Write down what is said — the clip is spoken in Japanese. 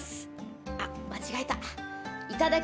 あっ間違えた。